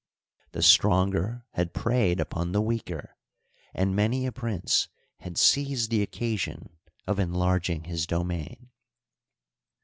The stronger had preyed upon the weaker, and many a prince had seized the occasion of enlarging his domain.